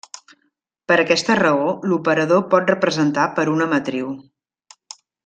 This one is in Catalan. Per aquesta raó l'operador pot representar per una matriu.